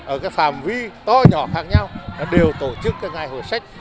ở cái phàm vi to nhỏ khác nhau đều tổ chức ngày hội sách